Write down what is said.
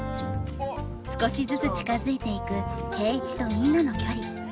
少しずつ近づいていく圭一とみんなの距離。